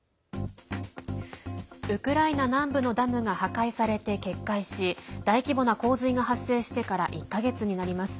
ウクライナ南部のダムが破壊されて決壊し大規模な洪水が発生してから１か月になります。